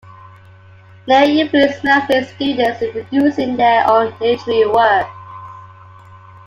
Liang influenced many of his students in producing their own literary works.